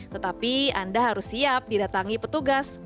tetapi anda harus siap didatangi petugas pada juli